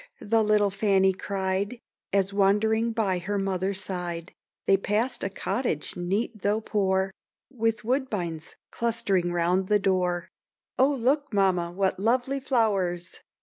the little Fanny cried, As wandering by her mother's side, They pass'd a cottage neat tho' poor, With woodbines clustering round the door, "Oh look, mamma, what lovely flowers!